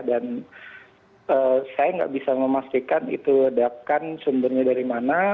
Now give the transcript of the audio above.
dan saya nggak bisa memastikan itu ledakan sumbernya dari mana